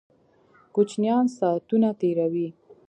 کوچینان ساتونه تیروي